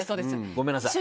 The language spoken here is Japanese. ごめんなさい。